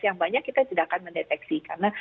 yang banyak kita tidak akan mendeteksi karena